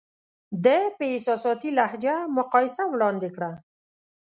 ده په احساساتي لهجه مقایسه وړاندې کړه.